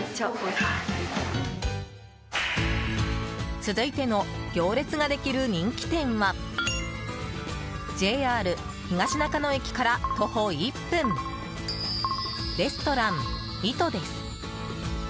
続いての行列ができる人気店はＪＲ東中野駅から徒歩１分レストランイトです。